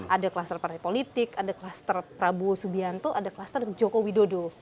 ada kluster partai politik ada kluster prabowo subianto ada kluster joko widodo